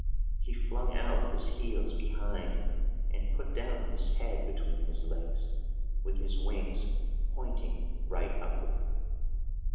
He flung out his heels behind, and put down his head between his legs, with his wings pointing right upward.